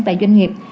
tại doanh nghiệp